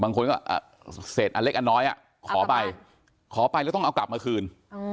บางคนก็เศษอันเล็กอันน้อยขอไปขอไปแล้วต้องเอากลับมาคืน